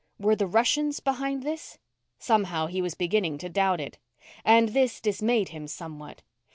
Were the Russians behind this? Somehow, he was beginning to doubt it. And this dismayed him somewhat.